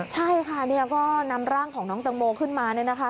ใช่ค่ะก็นำร่างของน้องตังโมขึ้นมา